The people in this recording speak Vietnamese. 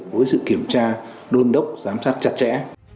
với sự kiểm tra đôn đốc giám sát chặt chẽ